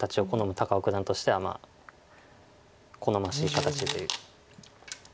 高尾九段としては好ましい形で。